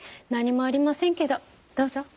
何もありませんけどどうぞ。